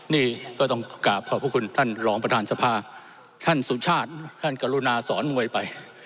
นี่ก็ต้องกราบขอบพระคุณท่านรองประธานสภาท่านสุชาติท่านกรุณาสอนมวยไป